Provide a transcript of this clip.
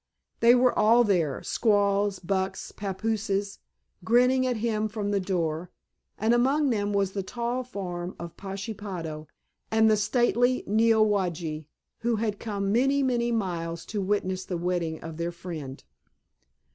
They were all there, squaws, bucks, papooses, grinning at him from the door, and among them was the tall form of Pashepaho and the stately Neowage, who had come many, many miles to witness the wedding of their friend.